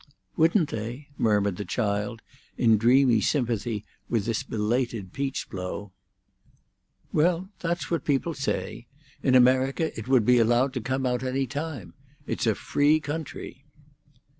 "Wouldn't they?" murmured the child, in dreamy sympathy with this belated peach blow. "Well, that's what people say. In America it would be allowed to come out any time. It's a free country."